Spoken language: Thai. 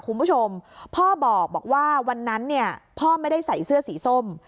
คุณผู้ชมพ่อบอกว่าวันนั้นเนี่ยพ่อไม่ได้ใส่เสื้อสีส้ม